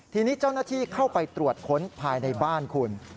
ทีนี้เจ้าหน้าที่เข้าไปตรวจค้นภายในบ้านคุณ